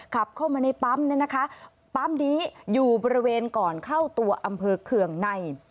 ขับเข้ามาในปั๊มเนี่ยนะคะปั๊มนี้อยู่บริเวณก่อนเข้าตัวอำเภอเคืองใน